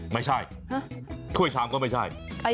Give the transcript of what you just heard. ไม่ใช่ถ้วยชามก็ไม่ใช่